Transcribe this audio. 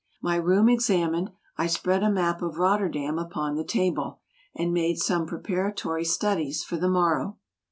My room examined, I spread a map of Rotterdam upon the table, and made some preparatory studies for the morrow.